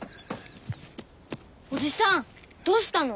おじさんどうしたの？